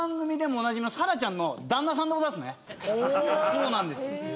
そうなんです。